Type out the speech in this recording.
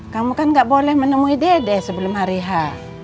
kamu kan gak boleh menemui dede sebelum hari h